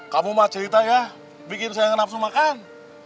kamu mah cerita ya bikin saya napsu makan